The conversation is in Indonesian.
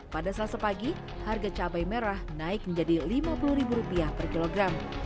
pada selasa pagi harga cabai merah naik menjadi lima puluh ribu rupiah per kilogram